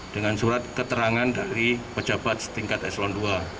dengan surat keterangan dari pejabat setingkat eslon dua